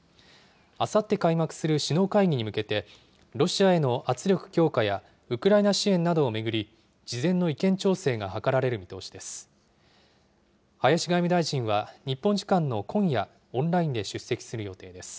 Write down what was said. あさって開幕する首脳会議に向けて、ロシアへの圧力強化や、ウクライナ支援などを巡り、事前の意見調整が図られる見通しです。